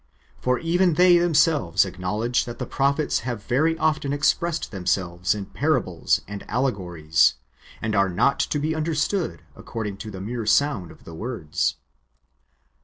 For even tliey themselves acknowledge that the prophets have very often expressed themselves in parables and allegories, and [are] not [to be understood] according to the mere sound of the words.